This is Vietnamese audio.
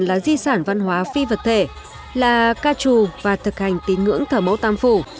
là di sản văn hóa phi vật thể là ca trù và thực hành tín ngưỡng thờ mẫu tam phủ